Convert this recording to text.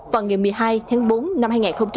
vào ngày một mươi hai tháng bốn năm hai nghìn hai mươi